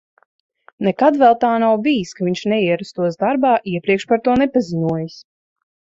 Nekad vēl tā nav bijis, ka viņš neierastos darbā, iepriekš par to nepaziņojis.